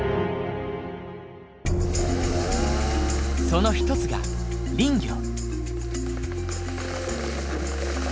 その一つが林業。